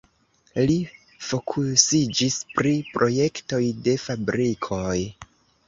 Li fokusiĝis pri projektoj de fabrikoj.